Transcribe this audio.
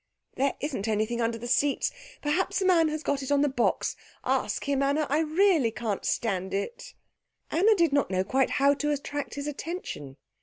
"There isn't anything under the seats. Perhaps the man has got it on the box. Ask him, Anna; I really can't stand it." Anna did not quite know how to attract his attention.